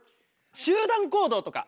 集団行動とか！